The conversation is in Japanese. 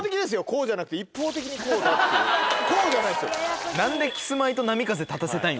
こうじゃなくて一方的にこうだっていうこうじゃないですよ。何で。